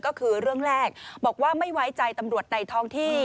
ก็คือเรื่องแรกบอกว่าไม่ไว้ใจตำรวจในท้องที่